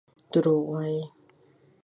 دروغ وايي.